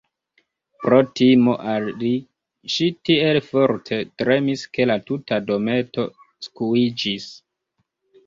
Pro timo al li, ŝi tiel forte tremis ke la tuta dometo skuiĝis.